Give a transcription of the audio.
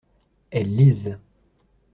Elles lisent.